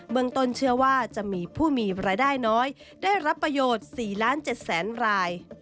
เมืองต้นเชื่อว่าจะมีผู้มีรายได้น้อยได้รับประโยชน์๔๗๐๐๐ราย